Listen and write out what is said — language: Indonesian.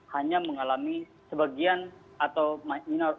hanya mengalami sebagian dari penumpang yang berasal dari bus arimbi